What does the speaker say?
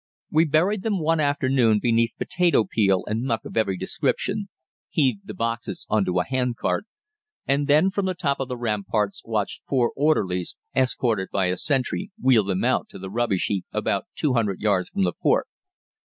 We buried them one afternoon beneath potato peel and muck of every description, heaved the boxes on to a hand cart, and then from the top of the ramparts watched four orderlies escorted by a sentry wheel them out to the rubbish heap about 200 yards from the fort.